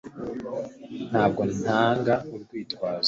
Ntabwo ntanga urwitwazo